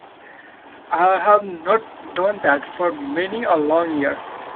I have not done that for many a long year!